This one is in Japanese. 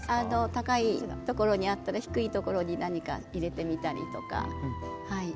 高いところにあったら低いところに何か入れてみたり。